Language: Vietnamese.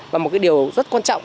và một cái điều rất quan trọng